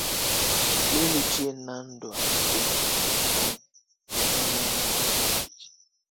Lelu tshienandua to ne tumunangane kabidi.